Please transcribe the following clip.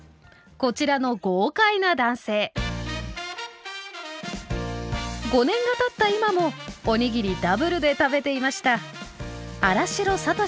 こちらの豪快な男性５年がたった今もおにぎりダブルで食べていました。